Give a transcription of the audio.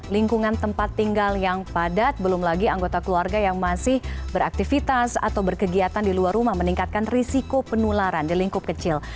lingkungan tempat tinggal yang padat belum lagi anggota keluarga yang masih beraktivitas atau berkegiatan di luar rumah meningkatkan risiko penularan di lingkup kecil